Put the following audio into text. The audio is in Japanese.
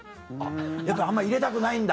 やっぱあんま入れたくないんだ。